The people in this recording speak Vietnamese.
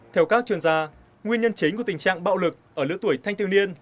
theo các chuyên gia nguyên nhân chính của tình trạng bạo lực ở lứa tuổi thanh thiếu niên